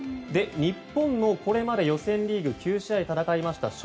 日本のこれまで予選リーグ９試合戦いました